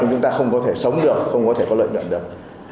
chúng ta không có thể sống được không có thể có lợi nhận được